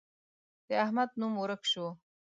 د احمد نوم ورک شو.